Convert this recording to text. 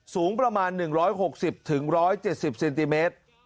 สูงประมาณ๑๖๐๑๗๐เซนติเมตร